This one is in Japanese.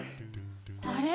あれ？